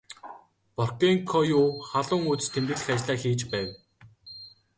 Боркенкою халуун үзэж тэмдэглэх ажлаа хийж байв.